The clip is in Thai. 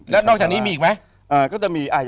แล้วนอกจากนี้มีอีกไหม